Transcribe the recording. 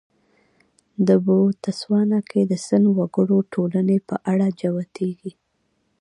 د بوتسوانا کې د سن وګړو ټولنې په اړه جوتېږي.